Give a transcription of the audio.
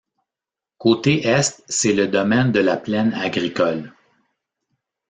Côté est, c'est le domaine de la plaine agricole.